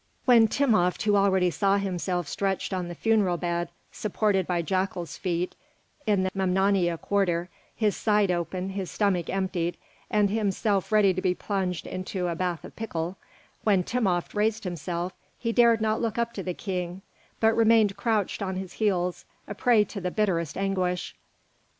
When Timopht, who already saw himself stretched on the funeral bed supported by jackal's feet in the Memnonia quarter, his side open, his stomach emptied, and himself ready to be plunged into a bath of pickle, when Timopht raised himself, he dared not look up to the King, but remained crouched on his heels, a prey to the bitterest anguish.